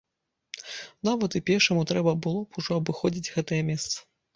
Нават і пешаму трэба было б ужо абыходзіць гэтае месца.